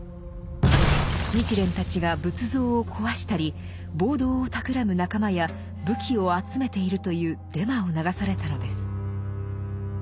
日蓮たちが仏像を壊したり暴動をたくらむ仲間や武器を集めているというデマを流されたのです。